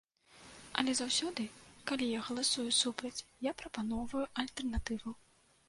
Але заўсёды, калі я галасую супраць, я прапаноўваю альтэрнатыву.